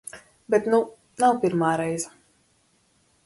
Bet nu, nav pirmā reize.